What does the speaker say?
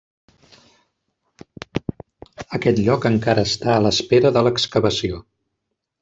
Aquest lloc encara està a l'espera de l'excavació.